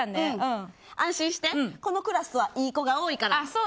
安心して、このクラスはいい子が多いから。